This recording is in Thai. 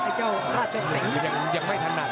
ไอ้เจ้าถ้าเจ้าสิงยังไม่ถนัด